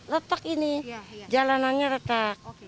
retak ini jalanannya retak